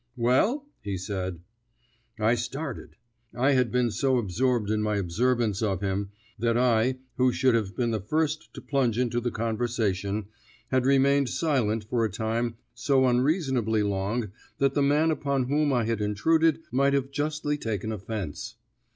"Well?" he said. I started. I had been so absorbed in my observance of him that I, who should have been the first to plunge into the conversation, had remained silent for a time so unreasonably long that the man upon whom I had intruded might have justly taken offence.